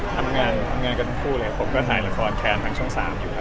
ทำงานกันทั้งคู่เลยลักทีทำการถ่ายละครแทนทั้งชั้นสามอยู่ครับ